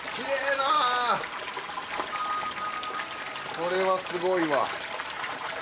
これはすごいわ。